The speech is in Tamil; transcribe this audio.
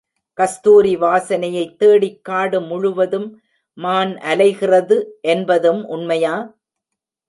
கஸ்தூரி வாசனையைத் தேடிக் காடு முழுவதும் மான் அலைகிறது என்பதும் உண்மையா?